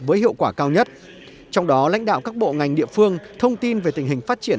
với hiệu quả cao nhất trong đó lãnh đạo các bộ ngành địa phương thông tin về tình hình phát triển